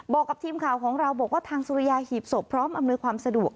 บอกกับทีมข่าวของเราบอกว่าทางสุริยาหีบศพพร้อมอำนวยความสะดวก